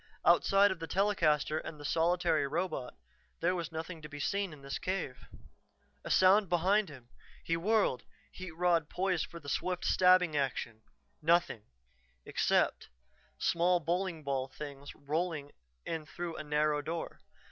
Outside of the telecaster and the solitary robot, there was nothing to be seen in this cave. A sound behind him. He whirled, heat rod poised for swift, stabbing action. Nothing except small bowling ball things rolling in through a narrow door.